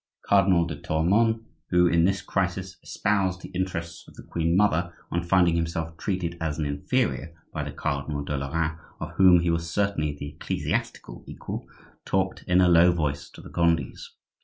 Cardinal de Tournon, who in this crisis espoused the interests of the queen mother on finding himself treated as an inferior by the Cardinal de Lorraine, of whom he was certainly the ecclesiastical equal, talked in a low voice to the Gondis.